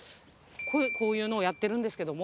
こういうのをやってるんですけども。